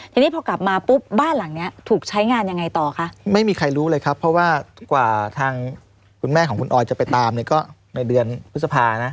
ทีนี้พอกลับมาปุ๊บบ้านหลังเนี้ยถูกใช้งานยังไงต่อคะไม่มีใครรู้เลยครับเพราะว่ากว่าทางคุณแม่ของคุณออยจะไปตามเนี่ยก็ในเดือนพฤษภานะ